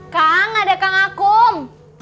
kang ada kang akum